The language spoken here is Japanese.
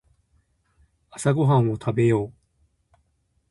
朝ごはんを食べよう。